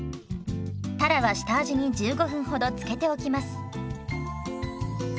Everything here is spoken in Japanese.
たらは下味に１５分ほど漬けておきます。